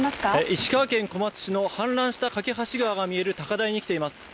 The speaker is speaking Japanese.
石川県小松市の氾濫した梯川が見える高台に来ています。